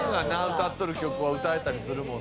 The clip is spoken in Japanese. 歌っとる曲は歌えたりするもんな。